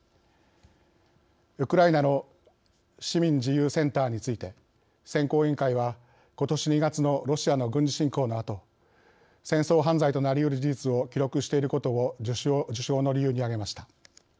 ウクライナの市民自由センターについて選考委員会は今年２月のロシアの軍事侵攻のあと戦争犯罪となりうる事実を記録していることを授賞の理由に挙げました。